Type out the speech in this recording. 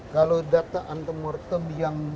kalau data antemortem yang